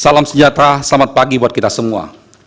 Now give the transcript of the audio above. salam sejahtera selamat pagi buat kita semua